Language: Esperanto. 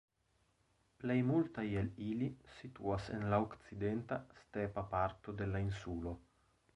Plej multaj el ili situas en la okcidenta, stepa parto de la insulo.